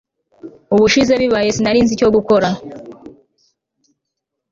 ubushize bibaye sinari nzi icyo gukora